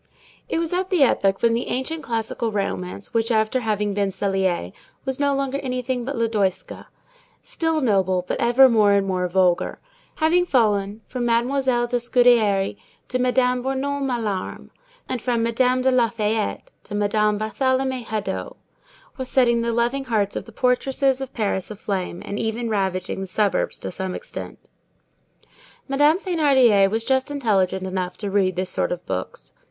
It was at the epoch when the ancient classical romance which, after having been Clélie, was no longer anything but Lodoïska, still noble, but ever more and more vulgar, having fallen from Mademoiselle de Scudéri to Madame Bournon Malarme, and from Madame de Lafayette to Madame Barthélemy Hadot, was setting the loving hearts of the portresses of Paris aflame, and even ravaging the suburbs to some extent. Madame Thénardier was just intelligent enough to read this sort of books.